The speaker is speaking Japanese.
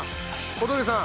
小峠さん。